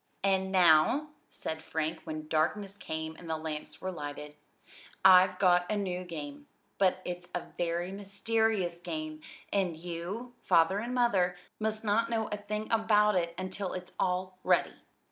"And now," said Frank when darkness came and the lamps were lighted, "I've got a new game, but it's a very mysterious game, and you, Father and Mother, must not know a thing about it until it's all ready."